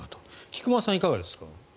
菊間さん、いかがですか？